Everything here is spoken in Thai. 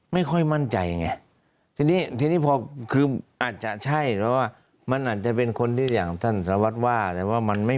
ไม่ค่อยมั่นใจไง